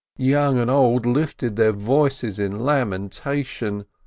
Old and young lifted their voices in lamenta tion.